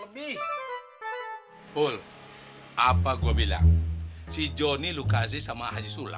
mau tau aja